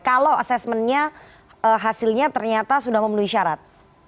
kalau assessmentnya hasilnya ternyata sudah memenuhi syarat